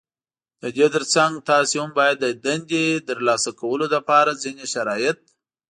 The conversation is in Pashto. د دې تر څنګ تاسې هم بايد د دندې ترلاسه کولو لپاره ځينې شرايط